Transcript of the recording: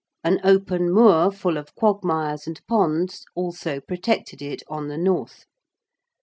An open moor full of quagmires and ponds also protected it on the north.